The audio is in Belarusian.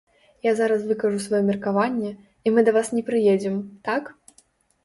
Я зараз выкажу сваё меркаванне, і мы да вас не прыедзем, так?